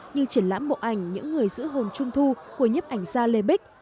như triển lãm bộ ảnh những người giữ hồn trung thu của nhiếp ảnh gia lê bích